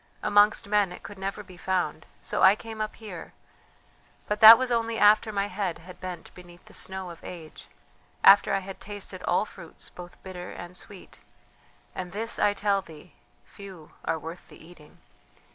Amongst men it could never be found, so I came up here; but that was only after my head had bent beneath the snow of age, after I had tasted all fruits both bitter and sweet; and this I tell thee: few are worth the eating.